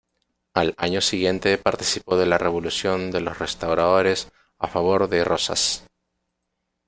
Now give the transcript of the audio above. Al año siguiente participó de la Revolución de los Restauradores a favor de Rosas.